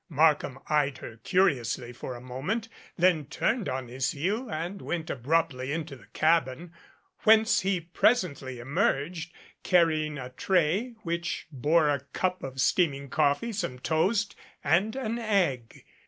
Markham eyed her curiously for a moment, then turned on his heel and went abruptly into the cabin whence he presently emerged carrying a tray which bore a cup of steaming coffee, some toast and an egg.